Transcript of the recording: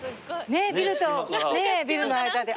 ビルとビルの間で。